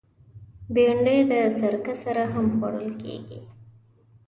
بېنډۍ د سرکه سره هم خوړل کېږي